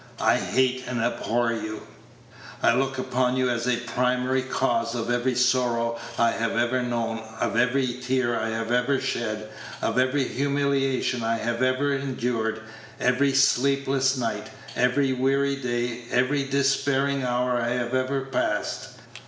I hate and abhor you. I look upon you as the primary cause of every sorrow I have ever known, of every tear I have ever shed, of every humiliation I have ever endured every sleepless night, every weary day, every despairing hour I have ever passed.